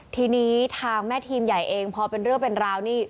ทีนี้ทางแม่ทีมใหญ่เองพอเป็นเรื่องเป็นราวนี่